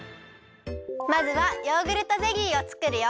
まずはヨーグルトゼリーをつくるよ。